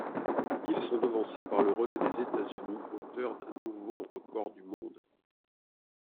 Ils sont devancés par le relais des États-Unis, auteur d'un nouveau record du monde.